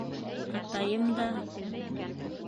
- Атайым да...